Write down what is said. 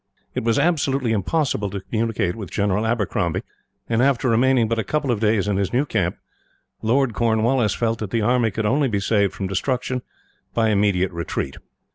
It was absolutely impossible to communicate with General Abercrombie, and after remaining but a couple of days in his new camp, Lord Cornwallis felt that the army could only be saved from destruction by immediate retreat.